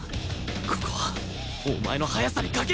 ここはお前の速さに賭ける！